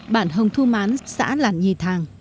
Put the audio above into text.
bản hồng thu mán xã làn nhì thàng